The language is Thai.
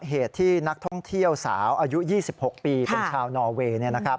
เหตุที่นักท่องเที่ยวสาวอายุ๒๖ปีเป็นชาวนอเวย์